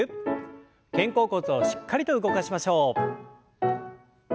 肩甲骨をしっかりと動かしましょう。